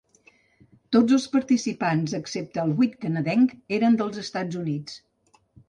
Tots els participants excepte el vuit canadenc eren dels Estats Units.